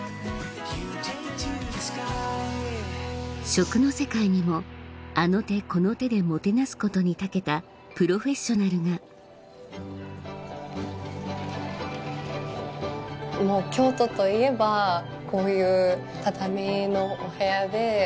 食の世界にもあの手この手でもてなすことに長けたプロフェッショナルがもう京都といえばこういう畳のお部屋で。